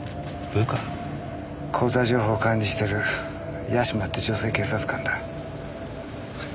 口座情報を管理してる屋島って女性警察官だ。